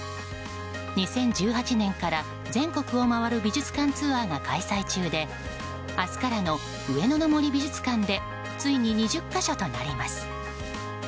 ２０１８年から全国を回る美術館ツアーが開催中で明日からの上野の森美術館でついに２０か所となります。